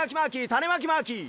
たねまきマーキー！